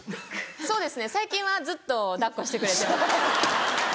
そうですね最近はずっと抱っこしてくれてます。